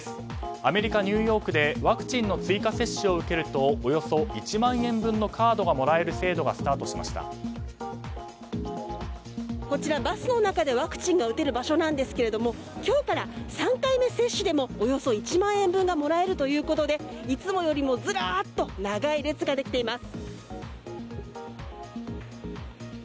アメリカ・ニューヨークでワクチンの追加接種を受けるとおよそ１万円分のカードがもらえる制度がこちら、バスの中で打てる場所なんですが今日から３回目接種でもおよそ１万円分がもらえるということでいつもよりも、ずらっと長い列ができています。